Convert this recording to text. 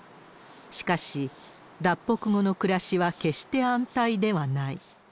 しかし、脱北後の暮らしは決して安泰ではない。